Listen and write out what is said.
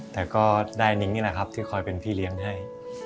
แต่ก็ได้นิ้งนี่แหละครับที่คอยเป็นพี่เลี้ยงให้